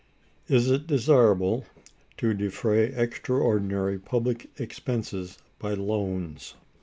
Is it desirable to defray extraordinary public expenses by loans?